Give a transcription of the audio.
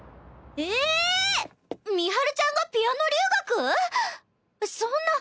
ええ⁉美晴ちゃんがピアノ留学⁉そんな。